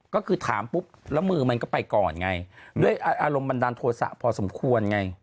ก็คือถามปุ๊บแล้วมือมันก็ไปก่อนไงด้วยอารมณ์บันดาลโทษะพอสมควรไง